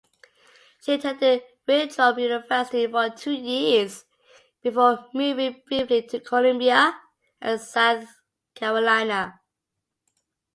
She attended Winthrop University for two years before moving briefly to Columbia, South Carolina.